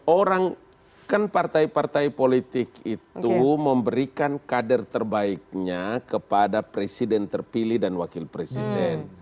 orang kan partai partai politik itu memberikan kader terbaiknya kepada presiden terpilih dan wakil presiden